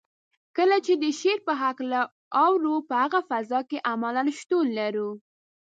کله چې د شعر په هکله اورو په هغه فضا کې عملاً شتون لرو.